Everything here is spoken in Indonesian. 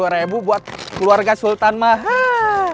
lima puluh remu buat keluarga sultan mahal